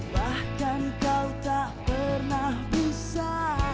bahkan kau tak pernah bisa